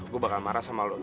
gue bakal marah sama lo